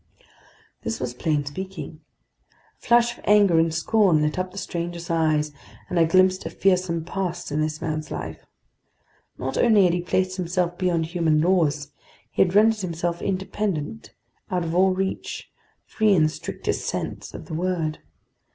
This was plain speaking. A flash of anger and scorn lit up the stranger's eyes, and I glimpsed a fearsome past in this man's life. Not only had he placed himself beyond human laws, he had rendered himself independent, out of all reach, free in the strictest sense of the word!